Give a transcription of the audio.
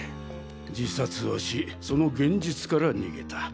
自殺をしその現実から逃げた。